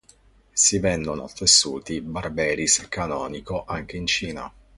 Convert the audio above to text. Si vendono tessuti Barberis Canonico anche in Cina.